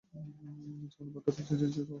যেমন পাথুরে ঝিরি রাস্তার উপর পানি বয়ে যায়।